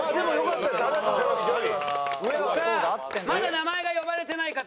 さあまだ名前が呼ばれてない方